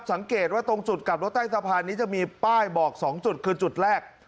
สังเกตว่าตรงจุดกลับรถใต้สะพานนี้จะมีป้ายบอก๒จุดคือจุดแรก